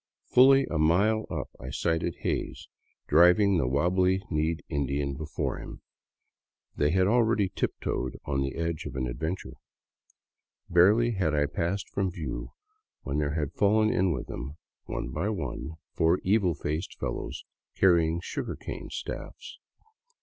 Fully a mile up I sighted Hays, driving the wabbly kneed Indian before him. 46 FROM BOGOTA OVER THE QUINDIO They had already tiptoed on the edge of an adventure. Barely had i passed from view when there had fallen in with them, one by one, four evil faced fellows carrying sugarcane staffs.